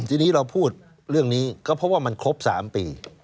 ทีนี้เราพูดเรื่องนี้ก็เพราะว่ามันครบ๓ปี